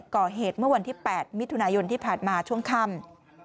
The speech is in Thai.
ก่อเหตุเมื่อวันที่๘มิถุนายนที่ผ่านมาช่วงค่ำ